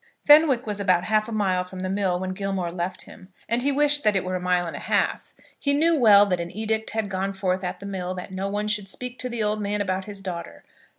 Fenwick was about half a mile from the mill when Gilmore left him, and he wished that it were a mile and a half. He knew well that an edict had gone forth at the mill that no one should speak to the old man about his daughter.